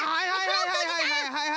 はいはいはい。